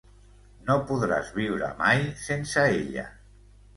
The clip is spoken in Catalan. No podràs viure mai sense ella.